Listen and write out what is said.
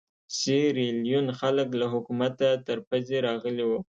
سیریلیون خلک له حکومته تر پزې راغلي وو.